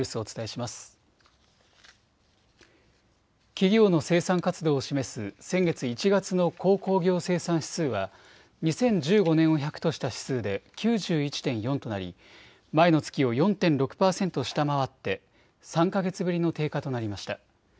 企業の生産活動を示す先月・１月の鉱工業生産指数は２０１５年を１００とした指数で９１．４となり前の月を４．６％下回って３か月ぶりの低下となりました。